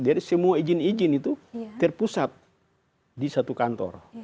jadi semua izin izin itu terpusat di satu kantor